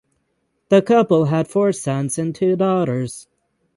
The couple had four sons and two daughters.